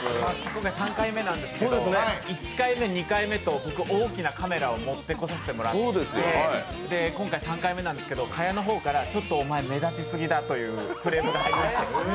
今回３回目なんですけど１回目、２回目と僕、大きなカメラを持ってこさせてもらって今回３回目なんですけど、賀屋の方からちょっとおまえ目立ちすぎだとクレームが入りまして。